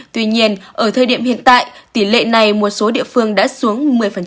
tuy nhiên ở thời điểm hiện tại tỷ lệ này một số địa phương đã xuống một mươi